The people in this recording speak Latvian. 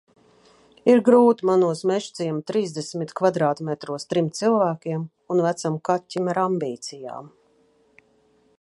Ir grūti manos Mežciema trīsdesmit kvadrātmetros trim cilvēkiem un vecam kaķim ar ambīcijām.